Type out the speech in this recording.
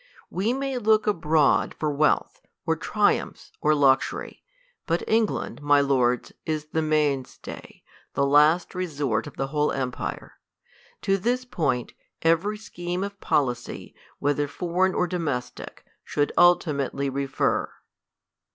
We may look abroad for wealth, or triumphs, oi* luxury ; but England, my lords, is the main stay, the last resort of the whole empire. To this point, every scheme of policy, whether foreign or domestic, should ultimately refer.